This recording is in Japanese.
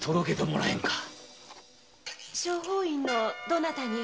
正法院のどなたに？